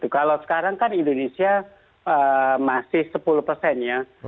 kalau sekarang kan indonesia masih sepuluh persen ya